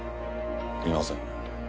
いません。